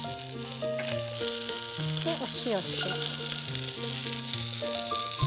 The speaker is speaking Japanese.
お塩して。